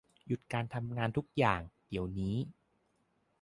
หยุดการทำงานทุกอย่าง เดี๋ยวนี้